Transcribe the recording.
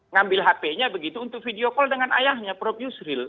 ngambil hp nya begitu untuk video call dengan ayahnya prof yusril